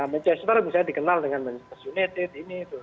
manchester misalnya dikenal dengan manchester united ini